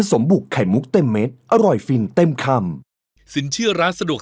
ขอบคุณที่ทำแผลให้นะครับคุณปลอยมือเบามากเลย